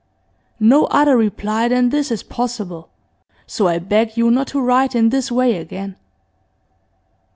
'No other reply than this is possible, so I beg you not to write in this way again.